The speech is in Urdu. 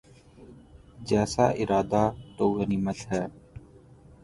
جیسا ادارہ تو غنیمت ہے۔